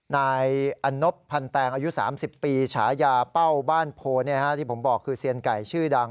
นายอันนบพันแตงอายุ๓๐ปีฉายาเป้าบ้านโพที่ผมบอกคือเซียนไก่ชื่อดัง